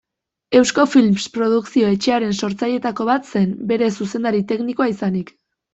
Eusko Films produkzio-etxearen sortzailetako bat zen, bere zuzendari teknikoa izanik.